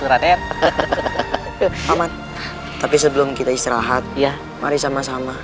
ada teman einam di dalam